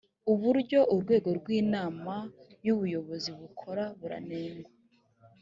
uburyo urwego rw’inama y’ubuyobozi bukora buranengwa